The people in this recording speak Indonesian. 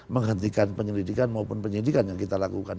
menghentikan penyelidikan maupun penyidikan yang kita lakukan